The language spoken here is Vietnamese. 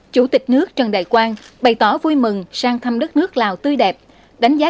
chủ tịch nước trần đại quang bày tỏ vui mừng sang thăm đất nước lào tươi đẹp đánh giá